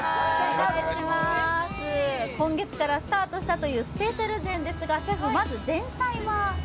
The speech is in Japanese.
今月からスタートしたというスペシャル膳ですが、シェフ、まず前菜は？